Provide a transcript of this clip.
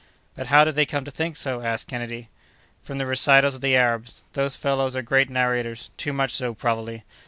"But how did they come to think so?" asked Kennedy. "From the recitals of the Arabs. Those fellows are great narrators—too much so, probably.